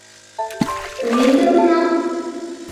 мӱндыр уна?